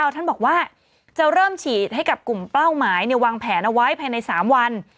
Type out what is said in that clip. ท่านบอกว่าจะเริ่มฉีดให้กับกลุ่มเป้าหมายวางแผนเอาไว้ภายใน๓วัน